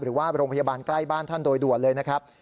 หรือว่าโรงพยาบาลใกล้บ้านท่านโดยด่วนเลยนะครับ